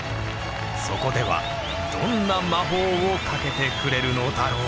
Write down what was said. そこではどんな魔法をかけてくれるのだろう。